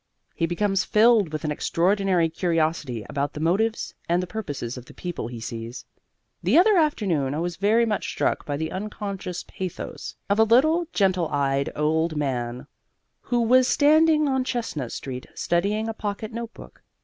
He becomes filled with an extraordinary curiosity about the motives and purposes of the people he sees. The other afternoon I was very much struck by the unconscious pathos of a little, gentle eyed old man who was standing on Chestnut Street studying a pocket notebook.